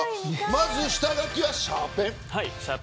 まず下描きはシャーペン。